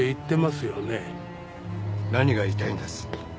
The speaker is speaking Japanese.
何が言いたいんです？